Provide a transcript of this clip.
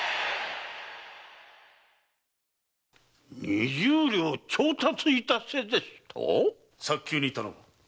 二十両を調達致せですと⁉早急に頼む。